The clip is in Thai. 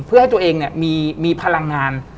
เพื่อให้ตัวเองมีพลังงาน